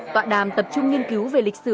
tọa đàm tập trung nghiên cứu về lịch sử